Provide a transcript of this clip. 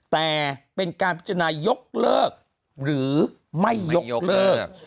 แต่เป็นการพิจารณายกเลิกหรือไม่ยกเลิก